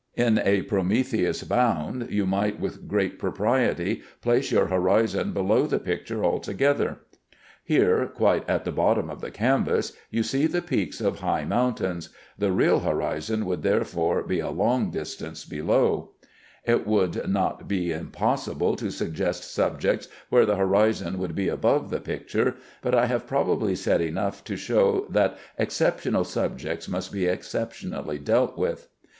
In a "Prometheus Bound" you might with great propriety place your horizon below the picture altogether. Here, quite at the bottom of the canvas, you see the peaks of high mountains; the real horizon would therefore be a long distance below. It would not be impossible to suggest subjects where the horizon should be above the picture, but I have probably said enough to show that exceptional subjects must be exceptionally dealt with.